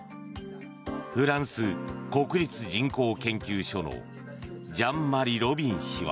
フランス国立人口研究所のジャン・マリ・ロビン氏は。